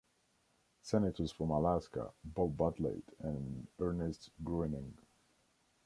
Senators from Alaska, Bob Bartlett and Ernest Gruening.